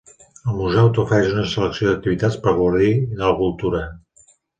El museu t'ofereix una selecció d'activitats per gaudir de la cultura.